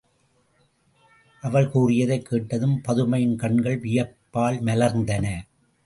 அவள் கூறியதைக் கேட்டதும் பதுமையின் கண்கள் வியப்பால் மலர்ந்தன.